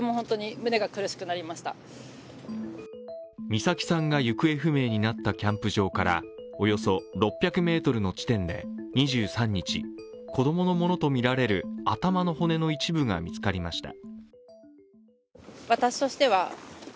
美咲さんが行方不明になったキャンプ場からおよそ６００ｍの地点で２３日、子供のものとみられる頭の骨の一部が見つかりました。